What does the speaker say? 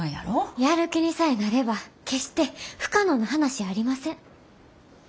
やる気にさえなれば決して不可能な話やありません。